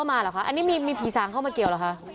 อันนี้มีผีสางเข้ามาเกี่ยวเหรอคะ